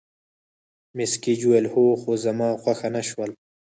مس ګېج وویل: هو، خو زما خوښه نه شول.